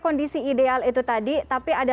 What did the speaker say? kondisi ideal itu tadi tapi ada